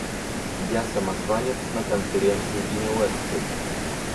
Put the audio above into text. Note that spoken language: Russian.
Я — самозванец на конференции Генуэзской.